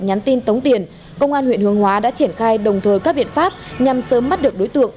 nhắn tin tống tiền công an huyện hướng hóa đã triển khai đồng thời các biện pháp nhằm sớm bắt được đối tượng